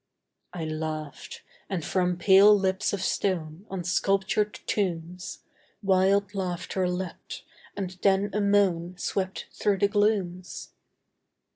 I laughed; and from pale lips of stone On sculptured tombs Wild laughter leapt, and then a moan Swept through the glooms.